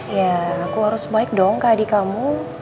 ya aku harus mike dong ke adik kamu